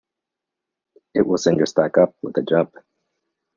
It will send your stock up with a jump.